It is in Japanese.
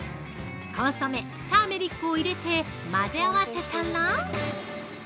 コンソメ、ターメリックを入れて混ぜ合わせたら◆